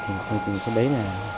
tôi tưởng cái đấy là